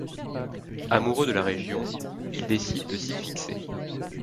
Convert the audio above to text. Amoureux de la région, il décide de s’y fixer.